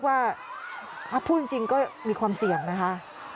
ว่าถ้าพูดจริงก็มีความเสี่ยงนะคะ